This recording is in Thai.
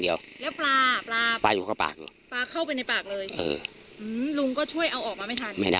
แบบปลาปลาเข้าไปในปากเลยเออหืมอืมลุงก็ช่วยเอาออกมาไม่ทัน